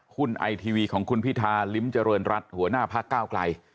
ไอทีวีของคุณพิธาลิ้มเจริญรัฐหัวหน้าพักก้าวไกล